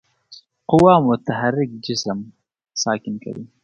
قوه متحرک جسم ساکن کوي.